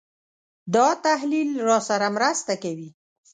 دا تحلیل راسره مرسته کوي.